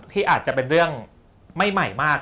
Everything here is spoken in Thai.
ที่อาจจะเป็นเรื่องไม่ใหม่มาก